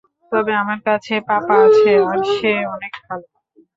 তবে আমার কাছে পাপা আছে আর সে অনেক ভালো।